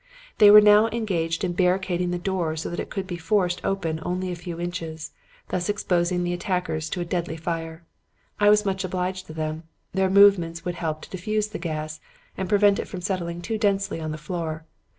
They were now engaged in barricading the door so that it could be forced open only a few inches, thus exposing the attackers to a deadly fire. I was much obliged to them. Their movements would help to diffuse the gas and prevent it from settling too densely on the floor.